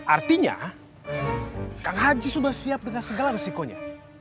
artinya kang haji sudah siap dengan segala resikonya